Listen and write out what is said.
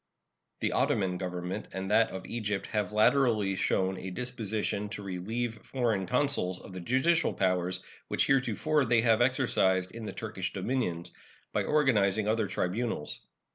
The Ottoman Government and that of Egypt have latterly shown a disposition to relieve foreign consuls of the judicial powers which heretofore they have exercised in the Turkish dominions, by organizing other tribunals.